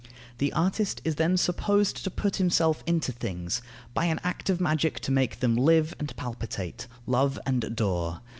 The artist is then supposed to put himself into things, by an act of magic, to make them live and palpitate, love and adore.